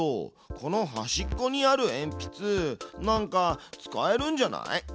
この端っこにあるえんぴつなんか使えるんじゃない？